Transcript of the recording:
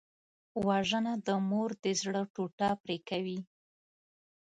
وژنه د مور د زړه ټوټه پرې کوي